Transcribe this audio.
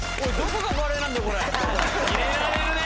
入れられるね！